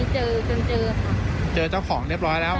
เจอจนเจอค่ะเจอเจ้าของเรียบร้อยแล้ว